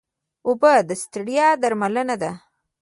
اوبه د ستړیا درملنه ده